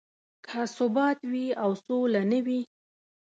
که ثبات وي او سوله نه وي.